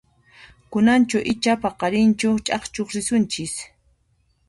Kunanchu icha paqarinchu chakchuq risunchis?